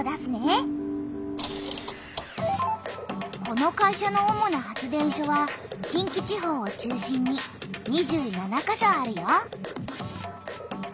この会社の主な発電所は近畿地方を中心に２７か所あるよ。